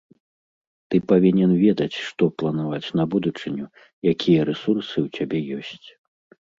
Ты павінен ведаць, што планаваць на будучыню, якія рэсурсы ў цябе ёсць.